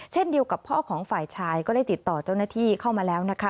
เช่นเดียวกับพ่อของฝ่ายชายก็ได้ติดต่อเจ้าหน้าที่เข้ามาแล้วนะคะ